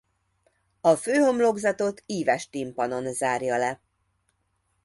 A főhomlokzatot íves timpanon zárja le.